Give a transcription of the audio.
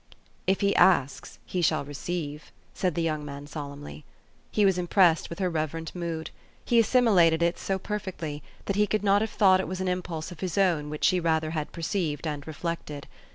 "If he asks he shall receive," said the young man solemnly. He was impressed with her reverent mood : he assimilated it so perfectly, that he could have thought it was an impulse of his own which she rather had perceived and reflected.